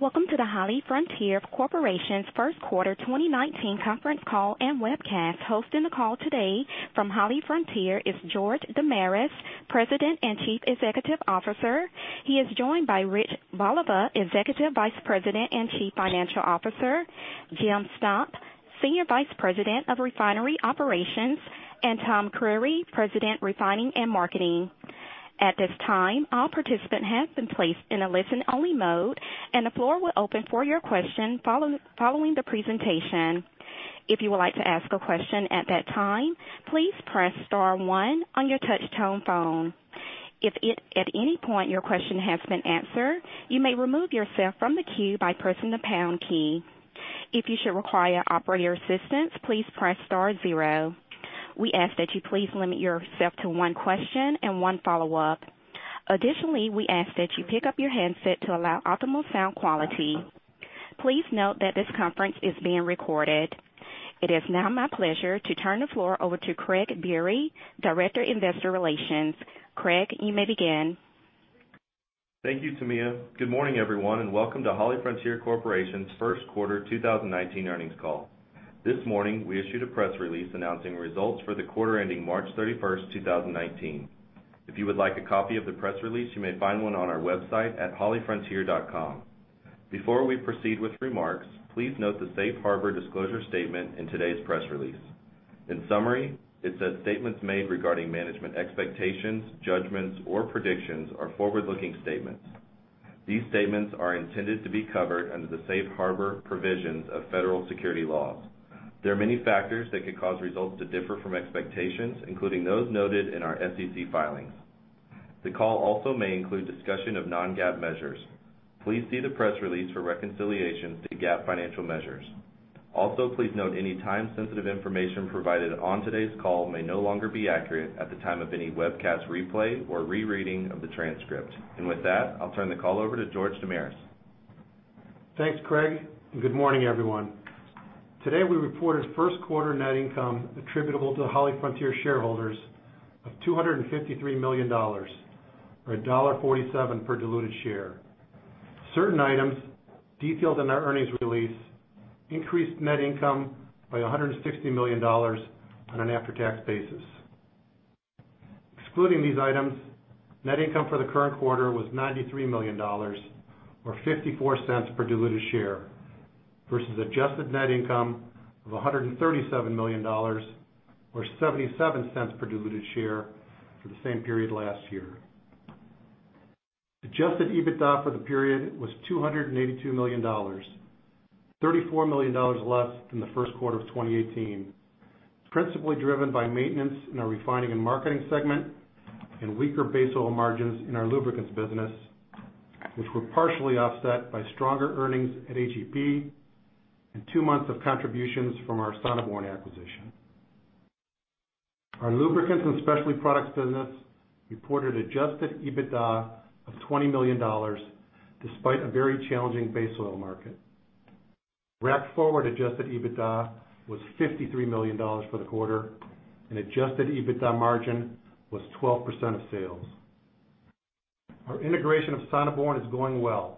Welcome to the HollyFrontier Corporation's first quarter 2019 conference call and webcast. Hosting the call today from HollyFrontier is George Damiris, President and Chief Executive Officer. He is joined by Rich Voliva, Executive Vice President and Chief Financial Officer, James Stump, Senior Vice President of Refinery Operations, and Thomas Creery, President, Refining and Marketing. At this time, all participants have been placed in a listen-only mode, and the floor will open for your questions following the presentation. If you would like to ask a question at that time, please press star one on your touch-tone phone. If at any point your question has been answered, you may remove yourself from the queue by pressing the pound key. If you should require operator assistance, please press star zero. We ask that you please limit yourself to one question and one follow-up. Additionally, we ask that you pick up your handset to allow optimal sound quality. Please note that this conference is being recorded. It is now my pleasure to turn the floor over to Craig Biery, Director of Investor Relations. Craig, you may begin. Thank you, Tamia. Good morning, everyone, and welcome to HollyFrontier Corporation's first quarter 2019 earnings call. This morning, we issued a press release announcing results for the quarter ending March 31st, 2019. If you would like a copy of the press release, you may find one on our website at hollyfrontier.com. Before we proceed with remarks, please note the safe harbor disclosure statement in today's press release. In summary, it says statements made regarding management expectations, judgments, or predictions are forward-looking statements. These statements are intended to be covered under the safe harbor provisions of federal security laws. The call also may include discussion of non-GAAP measures. Please see the press release for reconciliation to GAAP financial measures. Also, please note any time-sensitive information provided on today's call may no longer be accurate at the time of any webcast replay or rereading of the transcript. With that, I'll turn the call over to George Damiris. Thanks, Craig, and good morning, everyone. Today, we reported first quarter net income attributable to HollyFrontier shareholders of $253 million, or $1.47 per diluted share. Certain items detailed in our earnings release increased net income by $160 million on an after-tax basis. Excluding these items, net income for the current quarter was $93 million, or $0.54 per diluted share, versus adjusted net income of $137 million, or $0.77 per diluted share for the same period last year. Adjusted EBITDA for the period was $282 million, $34 million less than the first quarter of 2018. It's principally driven by maintenance in our refining and marketing segment and weaker base oil margins in our lubricants business, which were partially offset by stronger earnings at HEP and two months of contributions from our Sonneborn acquisition. Our lubricants and specialty products business reported adjusted EBITDA of $20 million, despite a very challenging base oil market. Rack forward adjusted EBITDA was $53 million for the quarter, and adjusted EBITDA margin was 12% of sales. Our integration of Sonneborn is going well.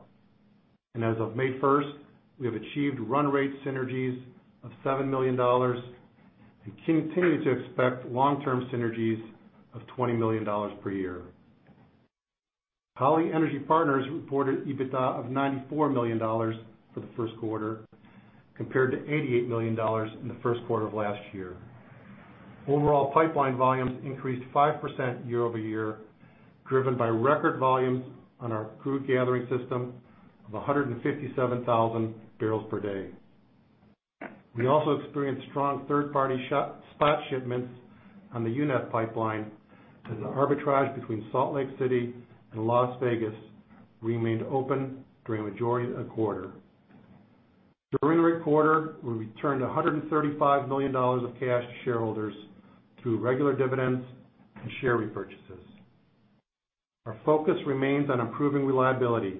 As of May 1st, we have achieved run rate synergies of $7 million and continue to expect long-term synergies of $20 million per year. Holly Energy Partners reported EBITDA of $94 million for the first quarter, compared to $88 million in the first quarter of last year. Overall pipeline volumes increased 5% year-over-year, driven by record volumes on our crude gathering system of 157,000 barrels per day. We also experienced strong third-party spot shipments on the UNEV pipeline as the arbitrage between Salt Lake City and Las Vegas remained open during the majority of the quarter. During the quarter, we returned $135 million of cash to shareholders through regular dividends and share repurchases. Our focus remains on improving reliability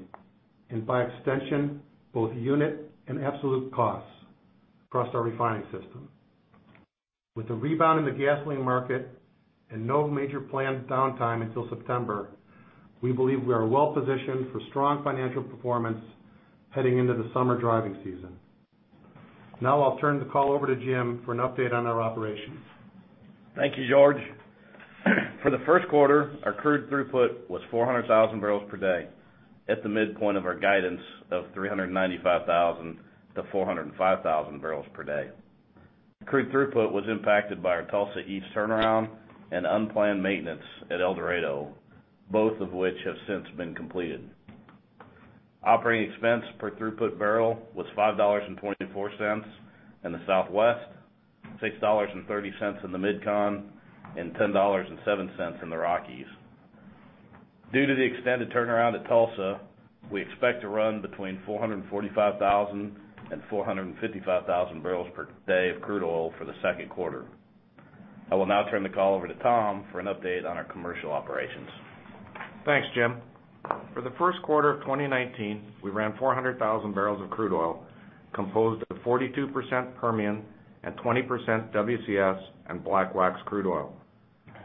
and, by extension, both unit and absolute costs across our refining system. With the rebound in the gasoline market and no major planned downtime until September, we believe we are well positioned for strong financial performance heading into the summer driving season. Now I'll turn the call over to Jim for an update on our operations. Thank you, George. For the first quarter, our crude throughput was 400,000 barrels per day at the midpoint of our guidance of 395,000 to 405,000 barrels per day. Crude throughput was impacted by our Tulsa East turnaround and unplanned maintenance at El Dorado, both of which have since been completed. Operating expense per throughput barrel was $5.24 in the Southwest, $6.30 in the MidCon, and $10.07 in the Rockies. Due to the extended turnaround at Tulsa, we expect to run between 445,000 and 455,000 barrels per day of crude oil for the second quarter. I will now turn the call over to Tom for an update on our commercial operations. Thanks, Jim. For the first quarter of 2019, we ran 400,000 barrels of crude oil composed of 42% Permian and 20% WCS and black wax crude oil.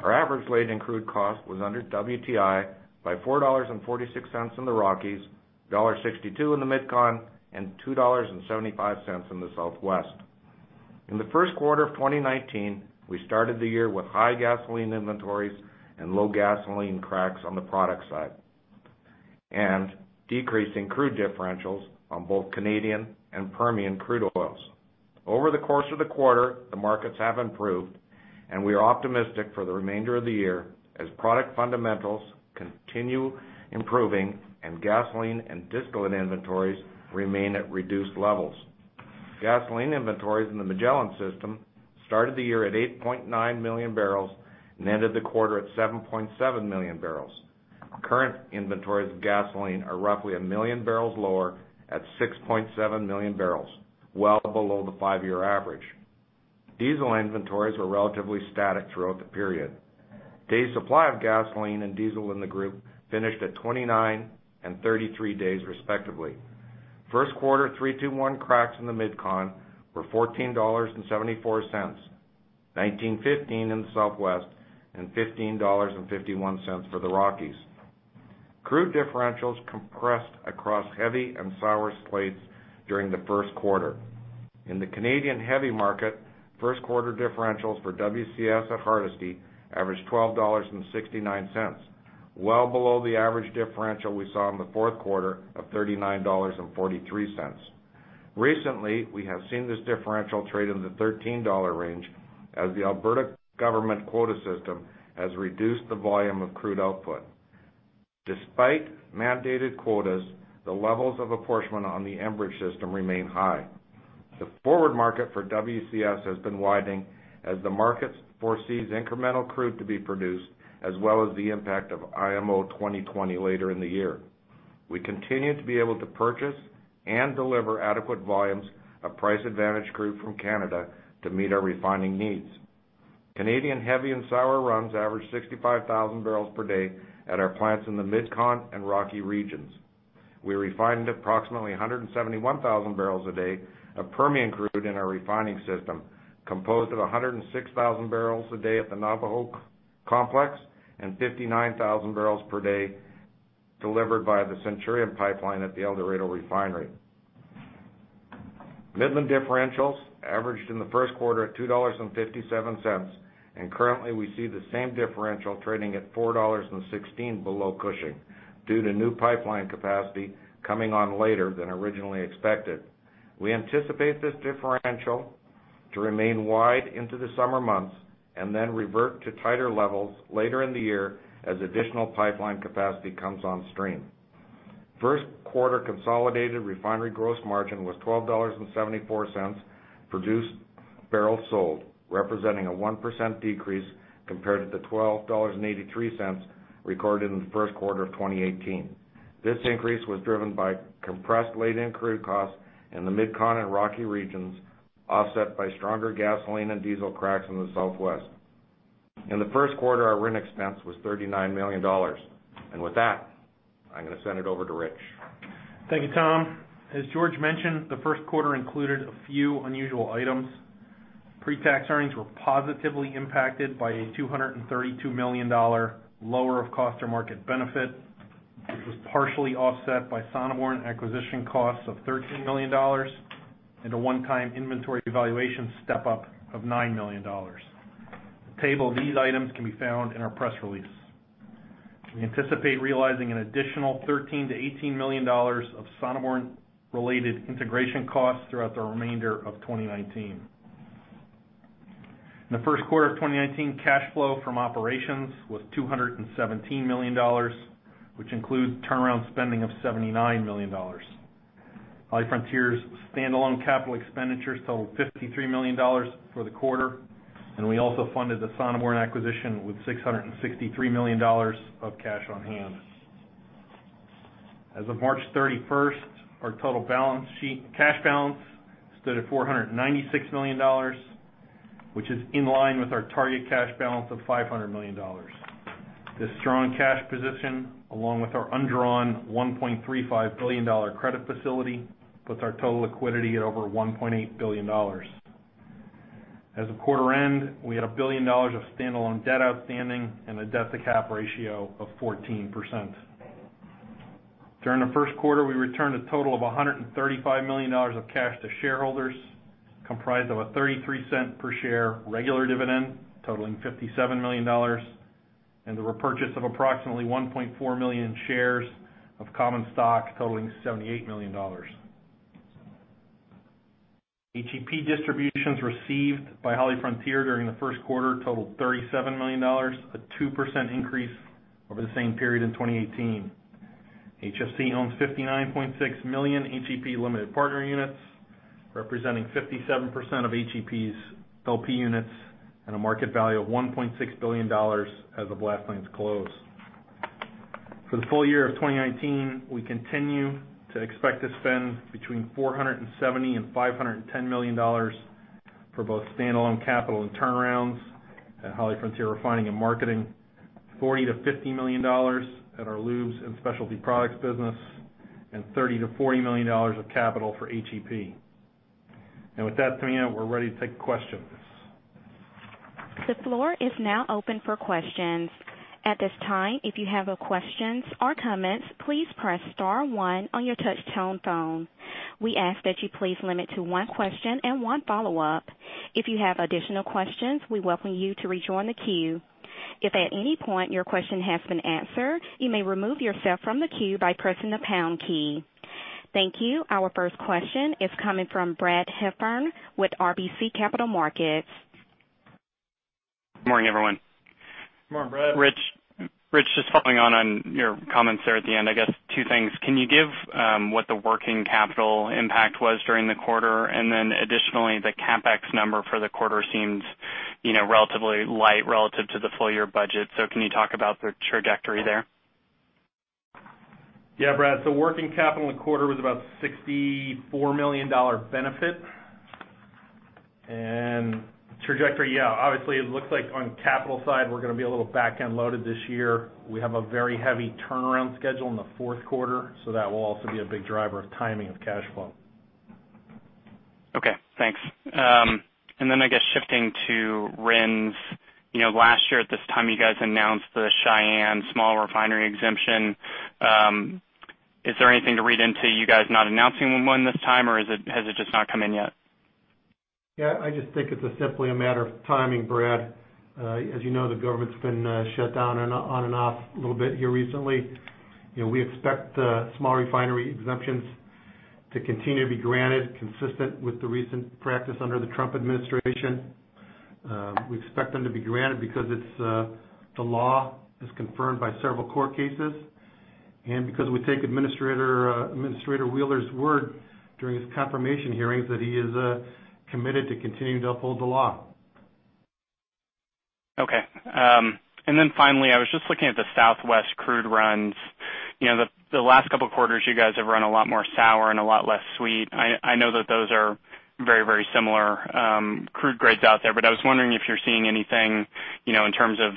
Our average laid-in crude cost was under WTI by $4.46 in the Rockies, $1.62 in the MidCon, and $2.75 in the Southwest. In the first quarter of 2019, we started the year with high gasoline inventories and low gasoline cracks on the product side, and decreasing crude differentials on both Canadian and Permian crude oils. Over the course of the quarter, the markets have improved. We are optimistic for the remainder of the year as product fundamentals continue improving and gasoline and distillate inventories remain at reduced levels. Gasoline inventories in the Magellan system started the year at 8.9 million barrels and ended the quarter at 7.7 million barrels. Current inventories of gasoline are roughly 1 million barrels lower at 6.7 million barrels, well below the five-year average. Diesel inventories were relatively static throughout the period. Days supply of gasoline and diesel in the group finished at 29 and 33 days respectively. First quarter 3-2-1 cracks in the MidCon were $14.74, $19.15 in the Southwest, and $15.51 for the Rockies. Crude differentials compressed across heavy and sour slates during the first quarter. In the Canadian heavy market, first quarter differentials for WCS at Hardisty averaged $12.69, well below the average differential we saw in the fourth quarter of $39.43. Recently, we have seen this differential trade in the $13 range as the Alberta government quota system has reduced the volume of crude output. Despite mandated quotas, the levels of apportionment on the Enbridge system remain high. The forward market for WCS has been widening as the market foresees incremental crude to be produced, as well as the impact of IMO 2020 later in the year. We continue to be able to purchase and deliver adequate volumes of price-advantaged crude from Canada to meet our refining needs. Canadian heavy and sour runs averaged 65,000 barrels per day at our plants in the MidCon and Rocky regions. We refined approximately 171,000 barrels a day of Permian crude in our refining system, composed of 106,000 barrels a day at the Navajo complex and 59,000 barrels per day delivered by the Centurion pipeline at the El Dorado refinery. Midland differentials averaged in the first quarter at $2.57. Currently we see the same differential trading at $4.16 below Cushing due to new pipeline capacity coming on later than originally expected. We anticipate this differential to remain wide into the summer months then revert to tighter levels later in the year as additional pipeline capacity comes on stream. First quarter consolidated refinery gross margin was $12.74 per barrel sold, representing a 1% decrease compared to the $12.83 recorded in the first quarter of 2018. This increase was driven by compressed laid-in crude costs in the MidCon and Rocky regions, offset by stronger gasoline and diesel cracks in the Southwest. In the first quarter, our RIN expense was $39 million. With that, I'm going to send it over to Rich. Thank you, Tom. As George mentioned, the first quarter included a few unusual items. Pre-tax earnings were positively impacted by a $232 million lower of cost or market benefit, which was partially offset by Sonneborn acquisition costs of $13 million and a one-time inventory evaluation step-up of $9 million. A table of these items can be found in our press release. We anticipate realizing an additional $13 million-$18 million of Sonneborn-related integration costs throughout the remainder of 2019. In the first quarter of 2019, cash flow from operations was $217 million, which includes turnaround spending of $79 million. HollyFrontier's standalone capital expenditures totaled $53 million for the quarter, we also funded the Sonneborn acquisition with $663 million of cash on hand. As of March 31st, our total cash balance stood at $496 million, which is in line with our target cash balance of $500 million. This strong cash position, along with our undrawn $1.35 billion credit facility, puts our total liquidity at over $1.8 billion. As of quarter end, we had $1 billion of standalone debt outstanding and a debt to cap ratio of 14%. During the first quarter, we returned a total of $135 million of cash to shareholders, comprised of a $0.33 per share regular dividend totaling $57 million and the repurchase of approximately 1.4 million shares of common stock totaling $78 million. HEP distributions received by HollyFrontier during the first quarter totaled $37 million, a 2% increase over the same period in 2018. HFC owns 59.6 million HEP Limited Partner units, representing 57% of HEP's LP units and a market value of $1.6 billion as of last night's close. For the full year of 2019, we continue to expect to spend between $470 million-$510 million for both standalone capital and turnarounds at HollyFrontier Refining and Marketing, $40 million-$50 million at our lubes and specialty products business, and $30 million-$40 million of capital for HEP. With that, Tamia, we're ready to take questions. The floor is now open for questions. At this time, if you have questions or comments, please press star one on your touch-tone phone. We ask that you please limit to one question and one follow-up. If you have additional questions, we welcome you to rejoin the queue. If at any point your question has been answered, you may remove yourself from the queue by pressing the pound key. Thank you. Our first question is coming from Brad Heffern with RBC Capital Markets. Morning, everyone. Morning, Brad. Rich, just following on your comments there at the end, I guess two things. Can you give what the working capital impact was during the quarter? Additionally, the CapEx number for the quarter seems relatively light relative to the full-year budget. Can you talk about the trajectory there? Brad, working capital in the quarter was about $64 million benefit. Trajectory, obviously, it looks like on the capital side, we're going to be a little backend loaded this year. We have a very heavy turnaround schedule in the fourth quarter, that will also be a big driver of timing of cash flow. Okay, thanks. I guess shifting to RINs. Last year at this time, you guys announced the Cheyenne Small Refinery Exemption. Is there anything to read into you guys not announcing one this time, or has it just not come in yet? I just think it's simply a matter of timing, Brad. As you know, the government's been shut down on and off a little bit here recently. We expect Small Refinery Exemptions to continue to be granted consistent with the recent practice under the Trump administration. We expect them to be granted because the law is confirmed by several court cases, because we take Administrator Wheeler's word during his confirmation hearings that he is committed to continuing to uphold the law. Finally, I was just looking at the Southwest crude runs. The last couple of quarters, you guys have run a lot more sour and a lot less sweet. I know that those are very similar crude grades out there, but I was wondering if you're seeing anything in terms of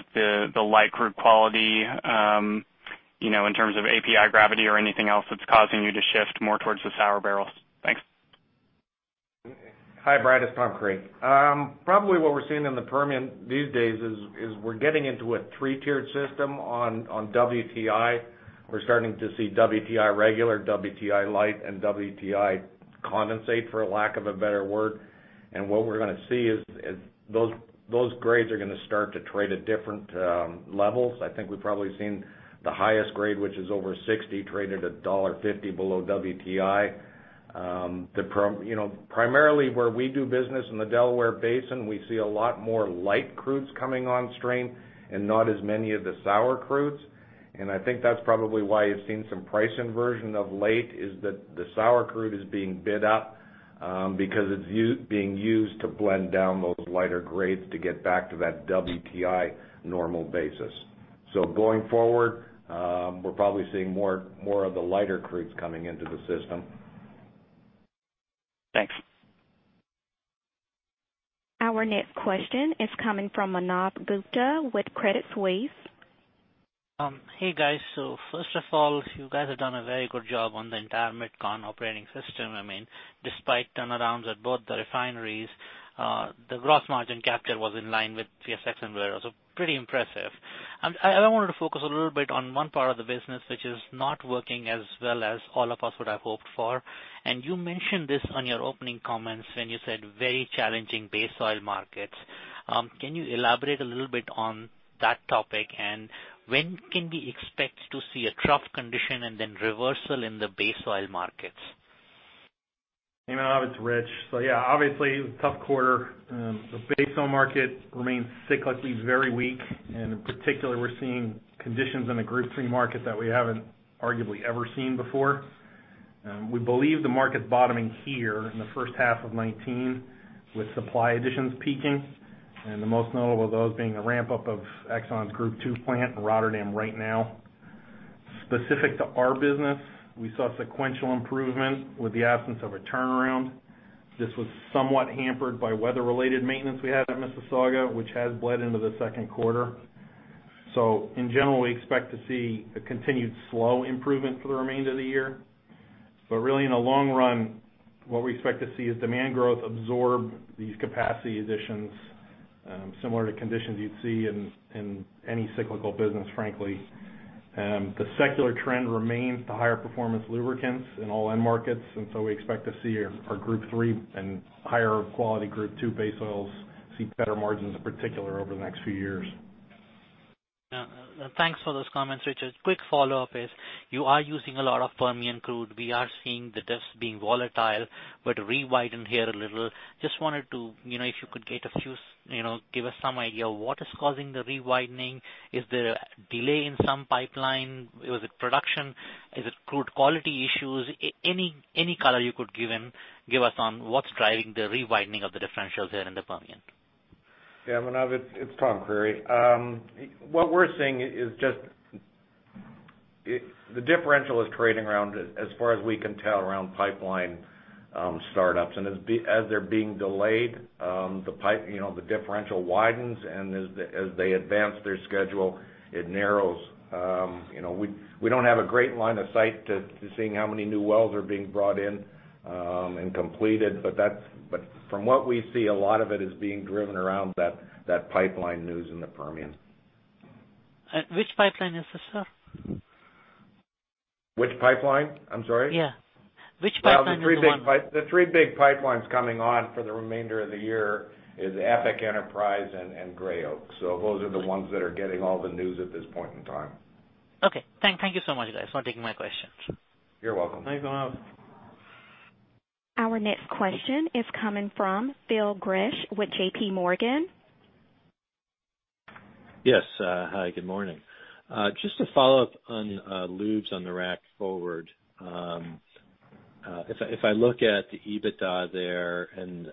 the light crude quality, in terms of API gravity or anything else that's causing you to shift more towards the sour barrels. Thanks. Hi, Brad, it's Tom Creery. Probably what we're seeing in the Permian these days is we're getting into a 3-tiered system on WTI. We're starting to see WTI regular, WTI light, and WTI condensate, for a lack of a better word. What we're going to see is those grades are going to start to trade at different levels. I think we've probably seen the highest grade, which is over 60, traded at $1.50 below WTI. Primarily where we do business in the Delaware Basin, we see a lot more light crudes coming on stream and not as many of the sour crudes. I think that's probably why you've seen some price inversion of late, is that the sour crude is being bid up because it's being used to blend down those lighter grades to get back to that WTI normal basis. Going forward, we're probably seeing more of the lighter crudes coming into the system. Thanks. Our next question is coming from Manav Gupta with Credit Suisse. Hey, guys. First of all, you guys have done a very good job on the entire MidCon operating system. Despite turnarounds at both the refineries, the gross margin capture was in line with PSX and Valero, pretty impressive. I wanted to focus a little bit on one part of the business, which is not working as well as all of us would have hoped for. You mentioned this in your opening comments when you said very challenging base oil markets. Can you elaborate a little bit on that topic, and when can we expect to see a trough condition and then reversal in the base oil markets? Hey Manav, it's Rich. Yeah, obviously, tough quarter. The base oil market remains cyclically very weak, and in particular, we're seeing conditions in the Group III market that we haven't arguably ever seen before. We believe the market's bottoming here in the first half of 2019, with supply additions peaking, and the most notable of those being a ramp-up of ExxonMobil's Group II plant in Rotterdam right now. Specific to our business, we saw sequential improvement with the absence of a turnaround. This was somewhat hampered by weather-related maintenance we had at Mississauga, which has bled into the second quarter. In general, we expect to see a continued slow improvement for the remainder of the year. Really in the long run, what we expect to see is demand growth absorb these capacity additions, similar to conditions you'd see in any cyclical business, frankly. The secular trend remains the higher performance lubricants in all end markets. We expect to see our Group III and higher quality Group II base oils see better margins in particular over the next few years. Thanks for those comments, Rich. A quick follow-up is, you are using a lot of Permian crude. We are seeing this being volatile, re-widen here a little. Just wondered if you could give us some idea of what is causing the re-widening. Is there a delay in some pipeline? Was it production? Is it crude quality issues? Any color you could give us on what's driving the re-widening of the differentials there in the Permian? Yeah, Manav. It's Tom Creery. What we're seeing is the differential is trading, as far as we can tell, around pipeline startups. As they're being delayed, the differential widens, and as they advance their schedule, it narrows. We don't have a great line of sight to seeing how many new wells are being brought in and completed, but from what we see, a lot of it is being driven around that pipeline news in the Permian. Which pipeline is this, sir? Which pipeline? I'm sorry. Yeah. Which pipeline is the one? The three big pipelines coming on for the remainder of the year is EPIC, Enterprise, and Gray Oak. Those are the ones that are getting all the news at this point in time. Okay. Thank you so much, guys, for taking my questions. You're welcome. Thanks, Manav. Our next question is coming from Phil Gresh with J.P. Morgan. Yes. Hi, good morning. Just to follow up on lubes on the rack forward. If I look at the EBITDA there, and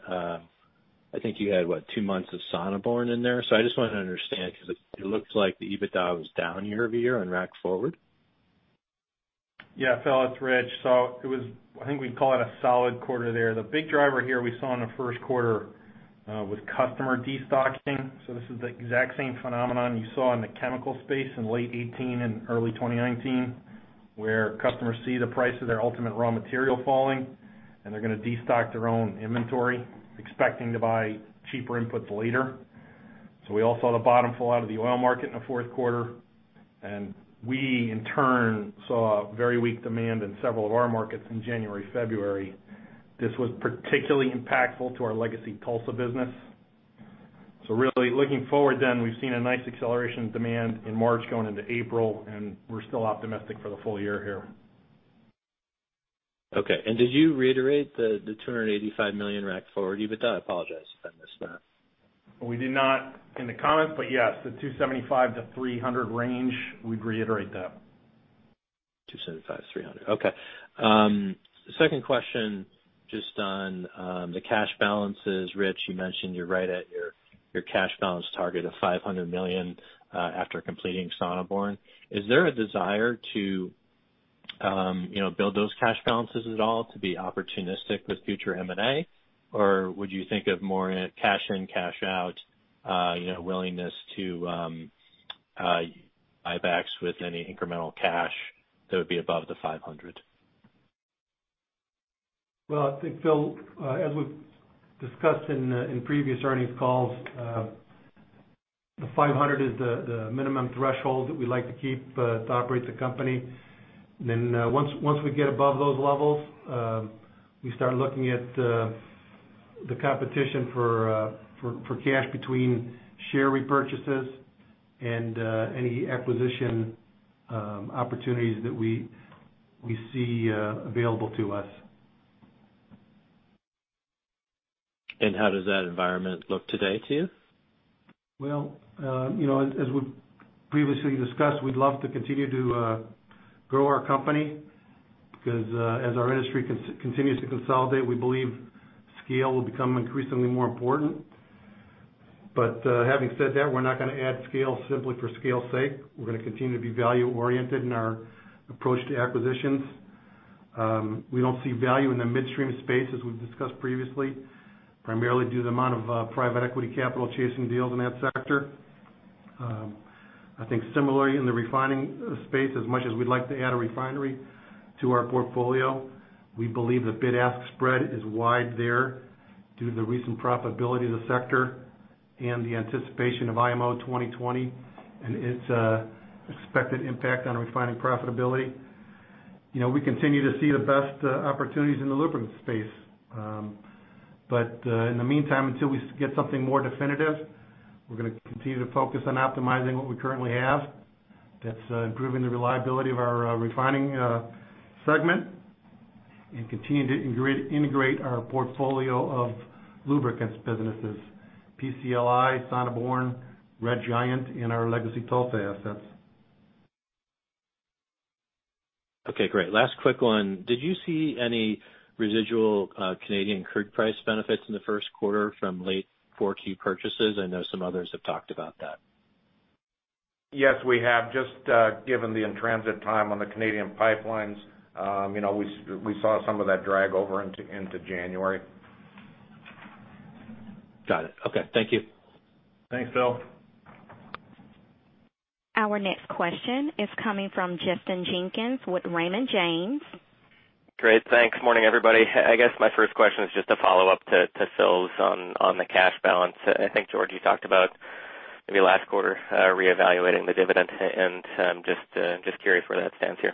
I think you had, what, two months of Sonneborn in there. I just wanted to understand because it looks like the EBITDA was down year-over-year on rack forward. Yeah, Phil, it's Rich. It was, I think we'd call it a solid quarter there. The big driver here we saw in the first quarter was customer destocking. This is the exact same phenomenon you saw in the chemical space in late 2018 and early 2019, where customers see the price of their ultimate raw material falling, and they're going to destock their own inventory, expecting to buy cheaper inputs later. We all saw the bottom fall out of the oil market in the fourth quarter, and we, in turn, saw very weak demand in several of our markets in January, February. This was particularly impactful to our legacy Tulsa business. Really looking forward then, we've seen a nice acceleration of demand in March going into April, and we're still optimistic for the full year here. Okay. Did you reiterate the $285 million rack forward EBITDA? I apologize if I missed that. We did not in the comments, but yes, the 275-300 range, we'd reiterate that. 275-300. Okay. Second question, just on the cash balances. Rich, you mentioned you're right at your cash balance target of $500 million after completing Sonneborn. Is there a desire to build those cash balances at all to be opportunistic with future M&A? Or would you think of more cash in, cash out, willingness to buybacks with any incremental cash that would be above the $500? Well, I think, Phil, as we've discussed in previous earnings calls, the $500 is the minimum threshold that we like to keep to operate the company. Once we get above those levels, we start looking at the competition for cash between share repurchases and any acquisition opportunities that we see available to us. How does that environment look today to you? As we previously discussed, we'd love to continue to grow our company because as our industry continues to consolidate, we believe scale will become increasingly more important. Having said that, we're not going to add scale simply for scale's sake. We're going to continue to be value-oriented in our approach to acquisitions. We don't see value in the midstream space, as we've discussed previously, primarily due to the amount of private equity capital chasing deals in that sector. Similarly in the refining space, as much as we'd like to add a refinery to our portfolio, we believe the bid-ask spread is wide there due to the recent profitability of the sector and the anticipation of IMO 2020 and its expected impact on refining profitability. We continue to see the best opportunities in the lubricants space. In the meantime, until we get something more definitive, we're going to continue to focus on optimizing what we currently have. That's improving the reliability of our refining segment and continuing to integrate our portfolio of lubricants businesses, PCLI, Sonneborn, Red Giant, and our legacy Tulsa assets. Great. Last quick one. Did you see any residual Canadian crude price benefits in the first quarter from late 4Q purchases? I know some others have talked about that. Yes, we have. Given the in-transit time on the Canadian pipelines, we saw some of that drag over into January. Got it. Okay. Thank you. Thanks, Phil. Our next question is coming from Justin Jenkins with Raymond James. Great. Thanks. Morning, everybody. I guess my first question is just a follow-up to Phil's on the cash balance. I think, George, you talked about maybe last quarter, reevaluating the dividend, and just curious where that stands here.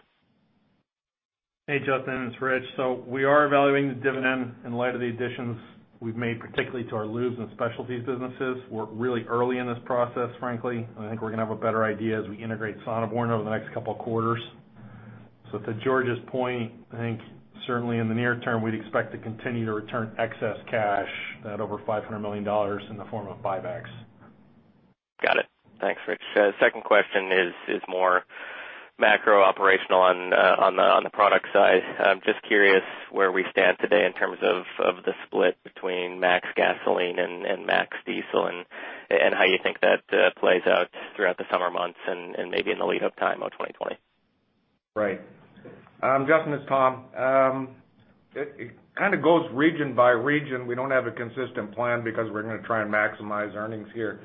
Hey, Justin, it's Rich. We are evaluating the dividend in light of the additions we've made, particularly to our lubes and specialties businesses. We're really early in this process, frankly. I think we're going to have a better idea as we integrate Sonneborn over the next couple of quarters. To George's point, I think certainly in the near term, we'd expect to continue to return excess cash, that over $500 million, in the form of buybacks. Got it. Thanks, Rich. Second question is more macro operational on the product side. I'm just curious where we stand today in terms of the split between max gasoline and max diesel, and how you think that plays out throughout the summer months and maybe in the lead up time of 2020. Right. Justin, it's Tom. It kind of goes region by region. We don't have a consistent plan because we're going to try and maximize earnings here.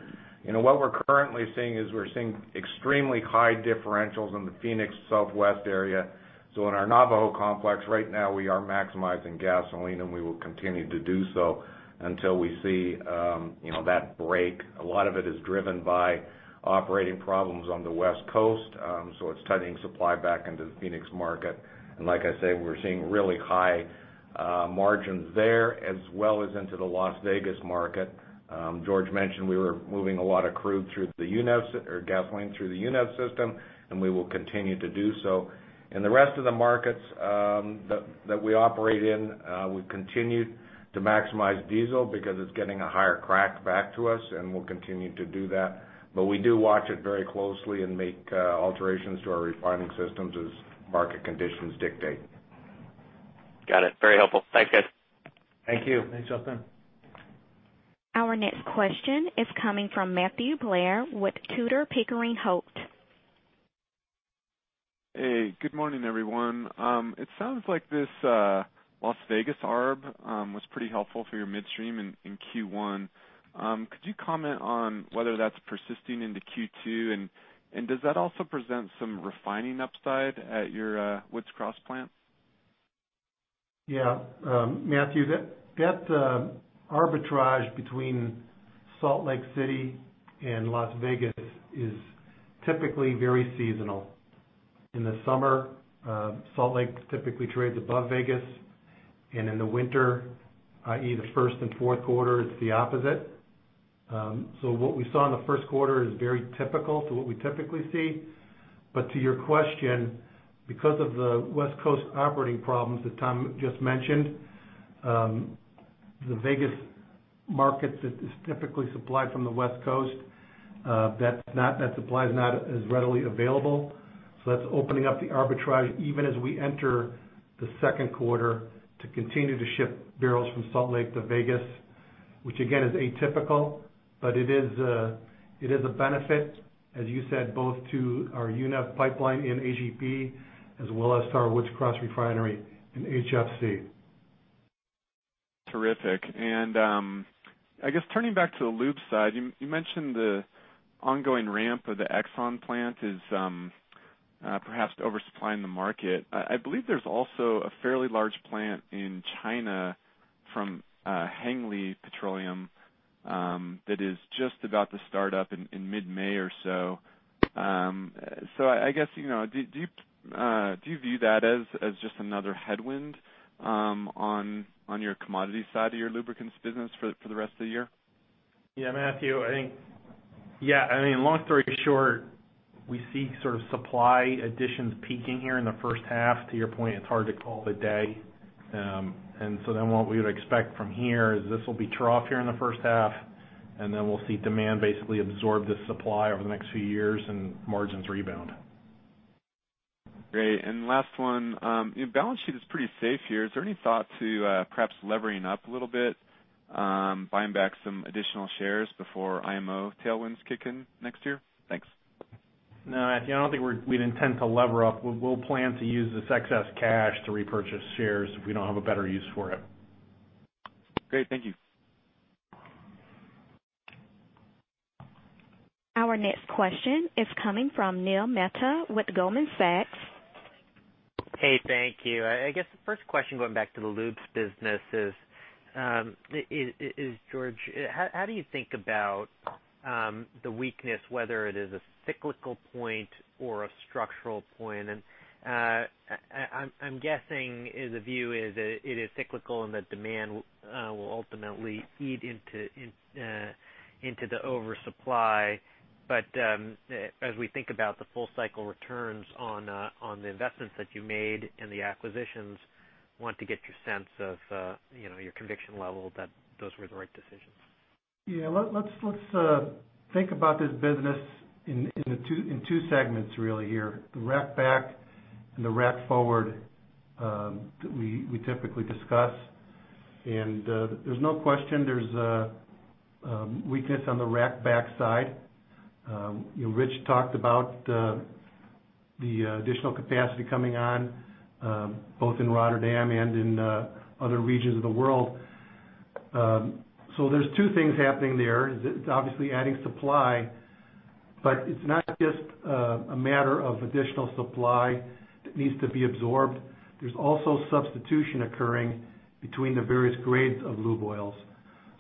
What we're currently seeing is we're seeing extremely high differentials in the Phoenix Southwest area. In our Navajo complex right now, we are maximizing gasoline, and we will continue to do so until we see that break. A lot of it is driven by operating problems on the West Coast, it's tightening supply back into the Phoenix market. Like I say, we're seeing really high margins there as well as into the Las Vegas market. George mentioned we were moving a lot of gasoline through the UNEV system, and we will continue to do so. In the rest of the markets that we operate in, we've continued to maximize diesel because it's getting a higher crack back to us, and we'll continue to do that. We do watch it very closely and make alterations to our refining systems as market conditions dictate. Got it. Very helpful. Thanks, guys. Thank you. Thanks, Justin. Our next question is coming from Matthew Blair with Tudor, Pickering Holt. Hey, good morning, everyone. It sounds like this Las Vegas arb was pretty helpful for your midstream in Q1. Could you comment on whether that's persisting into Q2? Does that also present some refining upside at your Woods Cross plant? Yeah. Matthew, that arbitrage between Salt Lake City and Las Vegas is typically very seasonal. In the summer, Salt Lake typically trades above Vegas, and in the winter, i.e., the first and fourth quarter, it's the opposite. What we saw in the first quarter is very typical to what we typically see. To your question, because of the West Coast operating problems that Tom just mentioned, the Vegas market that is typically supplied from the West Coast, that supply is not as readily available. That's opening up the arbitrage even as we enter the second quarter to continue to ship barrels from Salt Lake to Vegas, which again, is atypical, but it is a benefit, as you said, both to our UNEV pipeline and AGP, as well as to our Woods Cross refinery in HFC. Terrific. I guess turning back to the lube side, you mentioned the ongoing ramp of the ExxonMobil plant is perhaps oversupplying the market. I believe there's also a fairly large plant in China from Hengli Petrochemical that is just about to start up in mid-May or so. I guess, do you view that as just another headwind on your commodity side of your lubricants business for the rest of the year? Yeah, Matthew, I think long story short, we see sort of supply additions peaking here in the first half. To your point, it's hard to call the day. What we would expect from here is this will be trough here in the first half, we'll see demand basically absorb this supply over the next few years and margins rebound. Great. Last one. Balance sheet is pretty safe here. Is there any thought to perhaps levering up a little bit, buying back some additional shares before IMO tailwinds kick in next year? Thanks. No, Matthew, I don't think we'd intend to lever up. We'll plan to use this excess cash to repurchase shares if we don't have a better use for it. Great. Thank you. Our next question is coming from Neil Mehta with Goldman Sachs. Thank you. I guess the first question, going back to the lubes business is, George, how do you think about the weakness, whether it is a cyclical point or a structural point? I'm guessing the view is it is cyclical and that demand will ultimately feed into the oversupply. As we think about the full-cycle returns on the investments that you made and the acquisitions, want to get your sense of your conviction level that those were the right decisions. Yeah. Let's think about this business in two segments really here, the rack back and the rack forward that we typically discuss. There's no question there's a weakness on the rack backside. Rich talked about the additional capacity coming on both in Rotterdam and in other regions of the world. There's two things happening there. It's obviously adding supply, but it's not just a matter of additional supply that needs to be absorbed. There's also substitution occurring between the various grades of lube oils.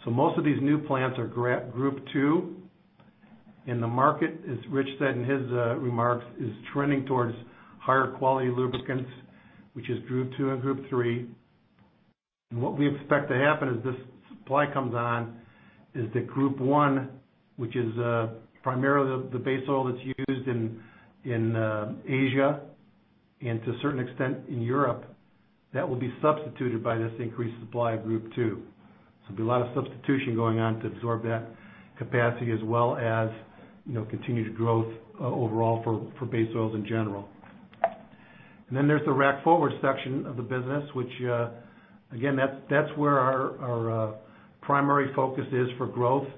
Most of these new plants are Group II, and the market, as Rich said in his remarks, is trending towards higher quality lubricants, which is Group II and Group III. What we expect to happen as this supply comes on is that Group I, which is primarily the base oil that's used in Asia and to a certain extent in Europe, that will be substituted by this increased supply of Group II. There'll be a lot of substitution going on to absorb that capacity as well as continued growth overall for base oils in general. There's the rack forward section of the business, which again, that's where our primary focus is for growth.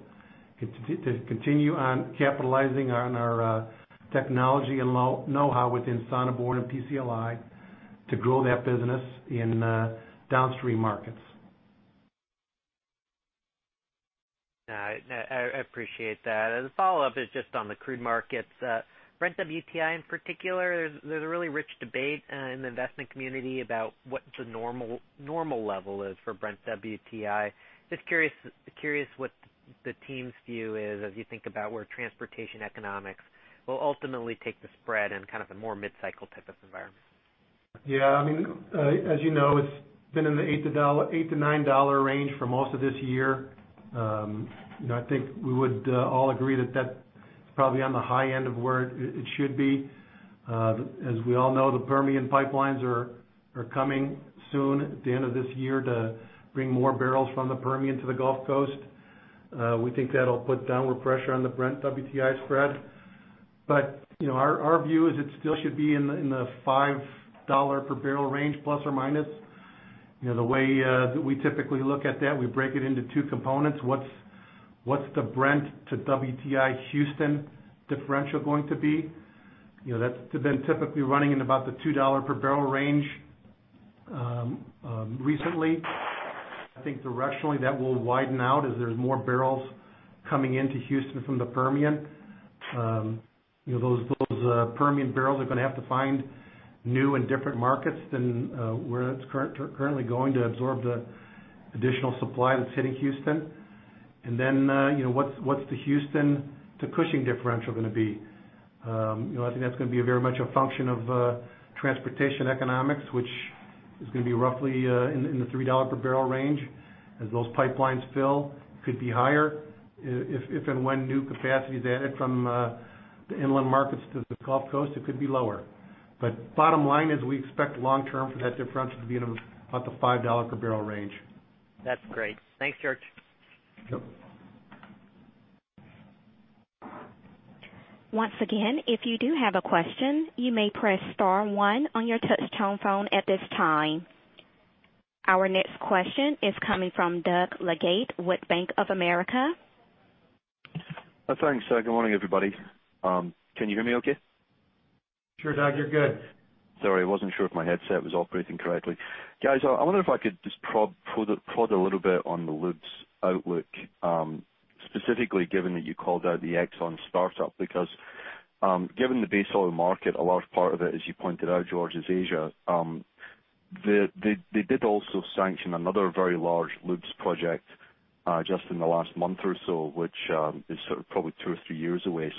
To continue on capitalizing on our technology and know-how within Sonneborn and PCLI to grow that business in downstream markets. I appreciate that. The follow-up is just on the crude markets, Brent WTI in particular, there's a really rich debate in the investment community about what the normal level is for Brent WTI. Just curious what the team's view is as you think about where transportation economics will ultimately take the spread in kind of a more mid-cycle type of environment. Yeah. As you know, it's been in the $8-$9 range for most of this year. I think we would all agree that that's probably on the high end of where it should be. As we all know, the Permian pipelines are coming soon, at the end of this year, to bring more barrels from the Permian to the Gulf Coast. We think that'll put downward pressure on the Brent WTI spread. Our view is it still should be in the $5 per barrel range, plus or minus. The way that we typically look at that, we break it into two components. What's the Brent to WTI Houston differential going to be? That's been typically running in about the $2 per barrel range recently. I think directionally, that will widen out as there's more barrels coming into Houston from the Permian. Those Permian barrels are going to have to find new and different markets than where it's currently going to absorb the additional supply that's hitting Houston. What's the Houston to Cushing differential going to be? I think that's going to be very much a function of transportation economics, which is going to be roughly in the $3 per barrel range. As those pipelines fill, it could be higher. If and when new capacity is added from the inland markets to the Gulf Coast, it could be lower. Bottom line is, we expect long term for that differential to be in about the $5 per barrel range. That's great. Thanks, George. Yep. Once again, if you do have a question, you may press star one on your touch-tone phone at this time. Our next question is coming from Doug Leggate with Bank of America. Thanks. Good morning, everybody. Can you hear me okay? Sure, Doug, you're good. Sorry, I wasn't sure if my headset was operating correctly. Guys, I wonder if I could just prod a little bit on the lubes outlook, specifically given that you called out the ExxonMobil startup, because given the base oil market, a large part of it, as you pointed out, George, is Asia. They did also sanction another very large lubes project just in the last month or so, which is sort of probably two or three years away.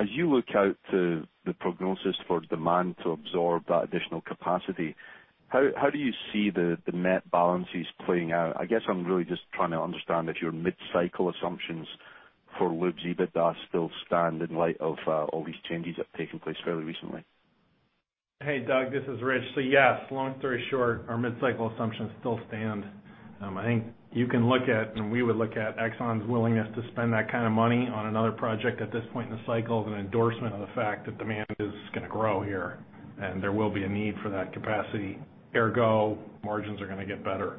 As you look out to the prognosis for demand to absorb that additional capacity, how do you see the net balances playing out? I guess I'm really just trying to understand if your mid-cycle assumptions for lubes EBITDA still stand in light of all these changes that have taken place fairly recently. Hey, Doug, this is Rich. Yes, long story short, our mid-cycle assumptions still stand. I think you can look at, and we would look at ExxonMobil's willingness to spend that kind of money on another project at this point in the cycle as an endorsement of the fact that demand is going to grow here, and there will be a need for that capacity, ergo, margins are going to get better.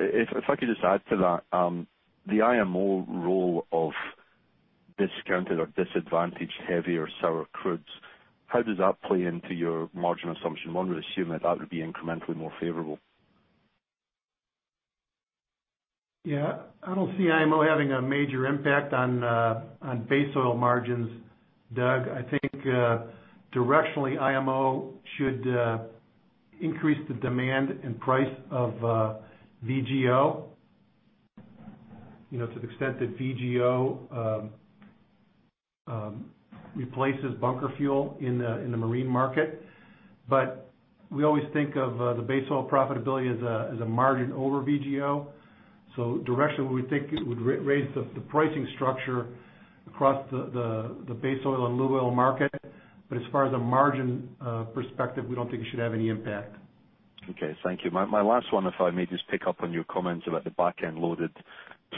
If I could just add to that. The IMO role of discounted or disadvantaged heavier sour crudes, how does that play into your margin assumption? One would assume that that would be incrementally more favorable. Yeah. I don't see IMO having a major impact on base oil margins, Doug. I think directionally, IMO should increase the demand and price of VGO. To the extent that VGO replaces bunker fuel in the marine market. We always think of the base oil profitability as a margin over VGO. Directionally, we think it would raise the pricing structure across the base oil and lube oil market. As far as a margin perspective, we don't think it should have any impact. Okay. Thank you. My last one, if I may just pick up on your comments about the back-end loaded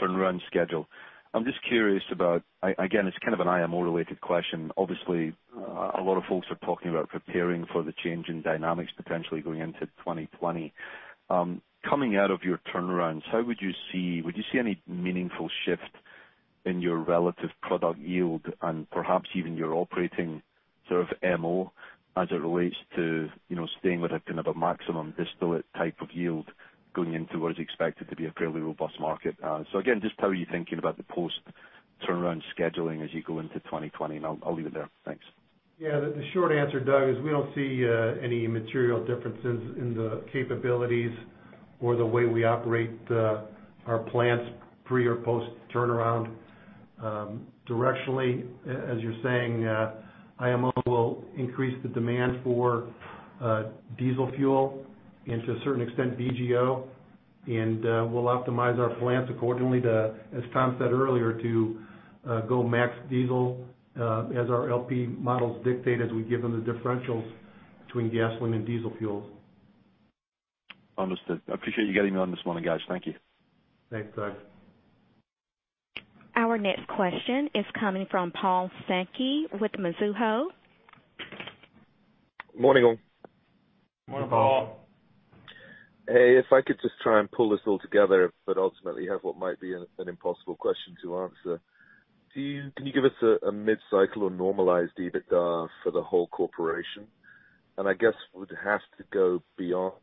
turnaround schedule. I'm just curious about Again, it's kind of an IMO related question. A lot of folks are talking about preparing for the change in dynamics potentially going into 2020. Coming out of your turnarounds, would you see any meaningful shift in your relative product yield and perhaps even your operating sort of MO as it relates to staying with a kind of a maximum distillate type of yield going into what is expected to be a fairly robust market? Again, just how are you thinking about the post turnaround scheduling as you go into 2020? I'll leave it there. Thanks. Yeah. The short answer, Doug, is we don't see any material differences in the capabilities or the way we operate our plants pre or post turnaround. Directionally, as you're saying, IMO will increase the demand for diesel fuel and to a certain extent, VGO, we'll optimize our plants accordingly, as Tom said earlier, to go max diesel as our LP models dictate as we give them the differentials between gasoline and diesel fuels. Understood. I appreciate you getting me on this morning, guys. Thank you. Thanks, Doug. Our next question is coming from Paul Sankey with Mizuho. Morning, all. Morning, Paul. Hey, if I could just try and pull this all together, but ultimately have what might be an impossible question to answer. Can you give us a mid-cycle or normalized EBITDA for the whole corporation? I guess would it have to go beyond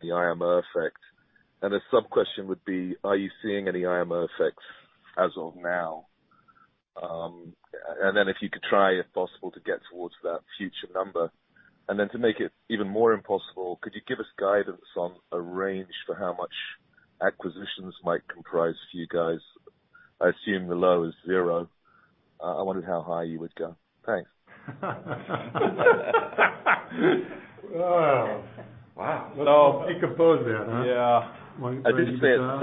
the IMO effect? A sub-question would be, are you seeing any IMO effects as of now? If you could try, if possible, to get towards that future number. To make it even more impossible, could you give us guidance on a range for how much acquisitions might comprise for you guys? I assume the low is zero. I wondered how high you would go. Thanks. Wow. He composed that, huh? Yeah. I did say it's a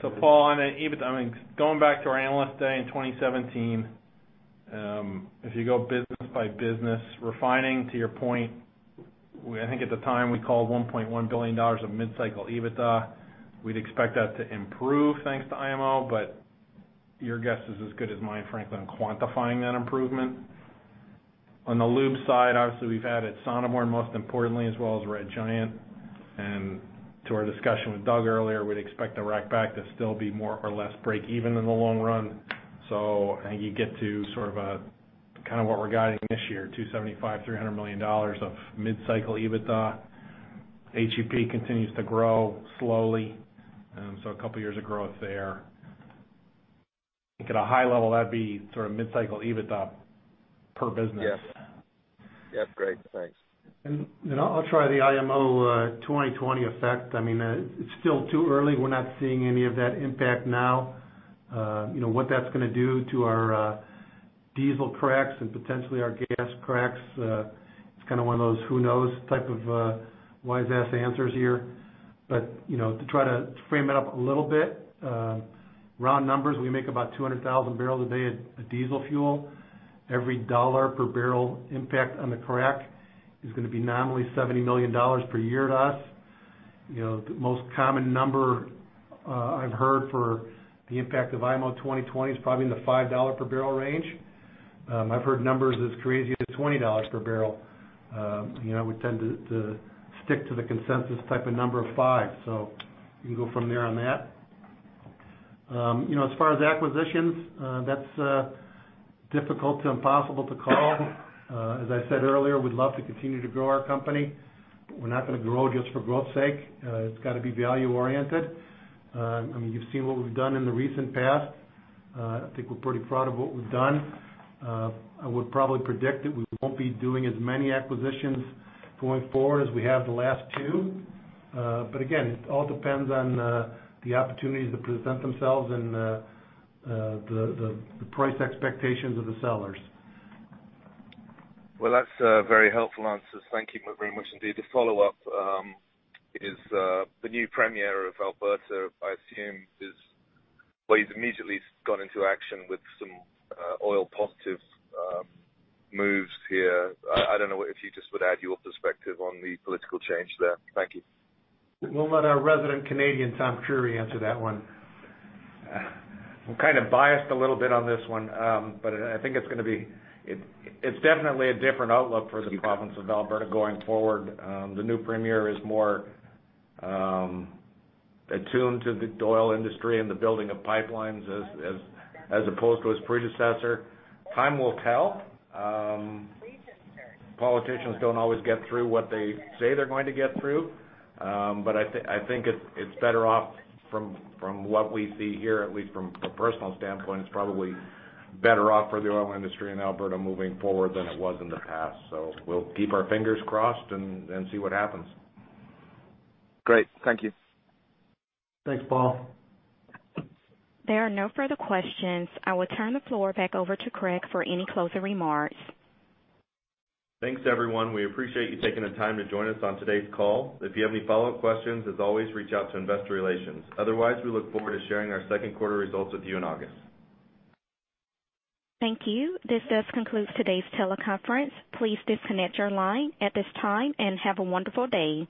sub-question. Paul, going back to our Analyst Day in 2017, if you go business by business, refining to your point, I think at the time we called $1.1 billion of mid-cycle EBITDA. We'd expect that to improve thanks to IMO, your guess is as good as mine, frankly, on quantifying that improvement. On the lube side, obviously we've added Sonneborn and most importantly as well as Red Giant Oil, to our discussion with Doug earlier, we'd expect the rack back to still be more or less break even in the long run. I think you get to kind of what we're guiding this year, $275 million, $300 million of mid-cycle EBITDA. HEP continues to grow slowly, a couple years of growth there. I think at a high level, that'd be mid-cycle EBITDA per business. Yes. That's great. Thanks. I'll try the IMO 2020 effect. It's still too early. We're not seeing any of that impact now. What that's going to do to our diesel cracks and potentially our gas cracks, it's one of those who knows type of wise-ass answers here. To try to frame it up a little bit, round numbers, we make about 200,000 barrels a day of diesel fuel. Every $1 per barrel impact on the crack is going to be nominally $70 million per year to us. The most common number I've heard for the impact of IMO 2020 is probably in the $5 per barrel range. I've heard numbers as crazy as $20 per barrel. We tend to stick to the consensus type of number of five, you can go from there on that. As far as acquisitions, that's difficult to impossible to call. As I said earlier, we'd love to continue to grow our company. We're not going to grow just for growth's sake. It's got to be value-oriented. You've seen what we've done in the recent past. I think we're pretty proud of what we've done. I would probably predict that we won't be doing as many acquisitions going forward as we have the last two. Again, it all depends on the opportunities that present themselves and the price expectations of the sellers. Well, that's very helpful answers. Thank you very much indeed. A follow-up, is the new premier of Alberta, I assume well, he's immediately gone into action with some oil positive moves here. I don't know if you just would add your perspective on the political change there. Thank you. We'll let our resident Canadian, Tom Creery, answer that one. I'm kind of biased a little bit on this one, I think it's definitely a different outlook for the province of Alberta going forward. The new premier is more attuned to the oil industry and the building of pipelines as opposed to his predecessor. Time will tell. Politicians don't always get through what they say they're going to get through. I think it's better off from what we see here, at least from a personal standpoint, it's probably better off for the oil industry in Alberta moving forward than it was in the past. We'll keep our fingers crossed and see what happens. Great. Thank you. Thanks, Paul. There are no further questions. I will turn the floor back over to Craig for any closing remarks. Thanks, everyone. We appreciate you taking the time to join us on today's call. If you have any follow-up questions, as always, reach out to investor relations. Otherwise, we look forward to sharing our second quarter results with you in August. Thank you. This does conclude today's teleconference. Please disconnect your line at this time and have a wonderful day.